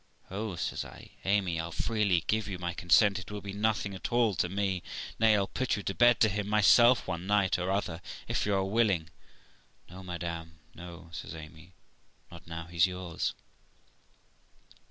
' Oh ', says I, ' Amy, I'll freely give you my consent. It will be nothing at alL to me. Nay, I'll put you to bed to him myself one night or other, if you are willing.' 'No, madam, no', says Amy, 'not now he's yours.'